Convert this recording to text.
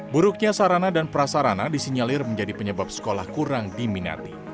buruknya sarana dan prasarana disinyalir menjadi penyebab sekolah kurang diminati